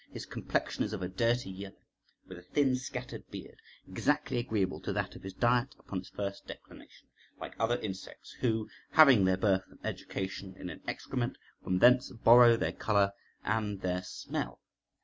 His complexion is of a dirty yellow, with a thin scattered beard, exactly agreeable to that of his diet upon its first declination, like other insects, who, having their birth and education in an excrement, from thence borrow their colour and their smell.